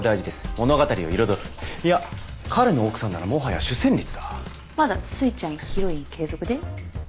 物語を彩るいや彼の奥さんならもはや主旋律だまだすいちゃんヒロイン継続で？